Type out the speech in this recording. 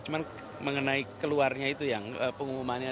cuma mengenai keluarnya itu yang pengumumannya